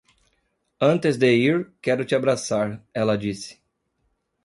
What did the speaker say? "Antes de ir, quero te abraçar", ela disse.